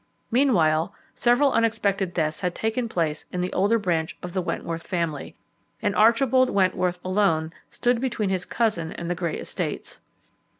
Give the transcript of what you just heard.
Meanwhile several unexpected deaths had taken place in the older branch of the Wentworth family, and Archibald Wentworth alone stood between his cousin and the great estates.